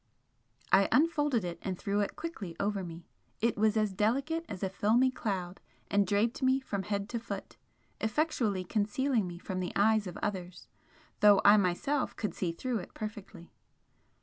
I unfolded it and threw it quickly over me it was as delicate as a filmy cloud and draped me from head to foot, effectually concealing me from the eyes of others though I myself could see through it perfectly.